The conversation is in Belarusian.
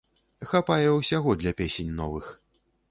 Хапае ўсяго для песень новых.